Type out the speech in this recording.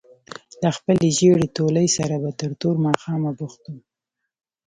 له خپلې ژېړې تولۍ سره به تر توره ماښامه بوخت وو.